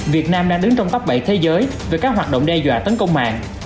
việt nam đang đứng trong tấp bảy thế giới về các hoạt động đe dọa tấn công mạng